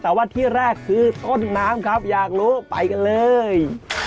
แต่ว่าที่แรกคือต้นน้ำครับอยากรู้ไปกันเลย